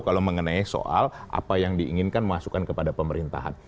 kalau mengenai soal apa yang diinginkan masukan kepada pemerintahan